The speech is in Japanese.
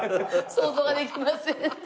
想像ができませんって。